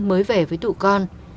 mới về với tụi con